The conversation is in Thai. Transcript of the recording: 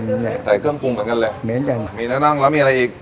ยังไงใส่เครื่องปรุงเหมือนกันเลยเน้นจังมีเนื้อน่องแล้วมีอะไรอีก